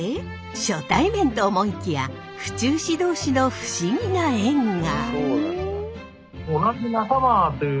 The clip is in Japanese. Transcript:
初対面と思いきや府中市同士の不思議な縁が。